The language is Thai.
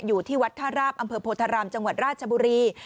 อยู่ที่วัดท่าราบอำเภอโพธารามจังหวัดราชบุรี